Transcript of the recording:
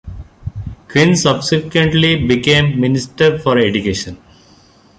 Quinn subsequently became Minister for Education.